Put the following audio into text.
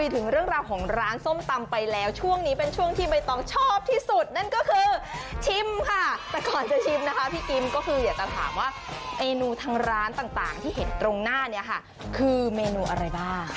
ก็คือชิมค่ะแต่ก่อนจะชิมนะคะพี่กิ้มก็คือเดี๋ยวกันถามว่าเมนูทั้งร้านต่างที่เห็นตรงหน้านี้ค่ะคือเมนูอะไรบ้าง